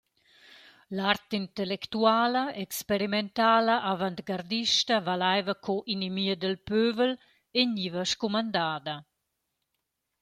L’art intellectuala, experimentala, avantgardista valaiva sco «inimia dal pövel» e gniva scumandada.